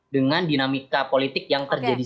dengan dinamika politik yang terjadi sekarang